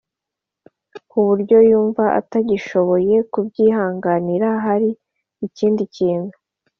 Ku buryo yumva atagishoboye kubyihanganira hari ikindi kintu